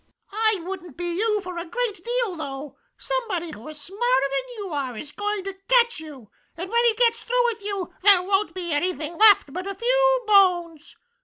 "I wouldn't be you for a great deal though! Somebody who is smarter than you are is going to catch you, and when he gets through with you, there won't be anything left but a few bones.